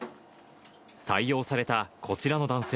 採用されたこちらの男性。